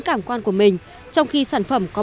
cảm quan của mình trong khi sản phẩm có